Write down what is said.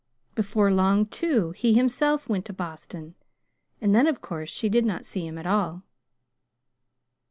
Before long, too, he himself went to Boston; and then of course she did not see him at all.